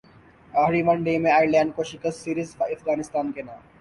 اخری one day میں Ireland کو شکستسیریز افغانستان کے نام